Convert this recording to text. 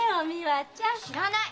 知らない！